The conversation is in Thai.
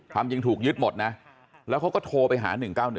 ความจริงถูกยึดหมดนะแล้วเขาก็โทรไปหา๑๙๑